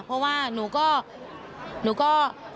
เพราะว่าหนูก็หนูก็